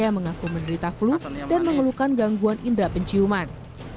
yang mengaku menderita flu dan mengeluhkan gangguan indera penciuman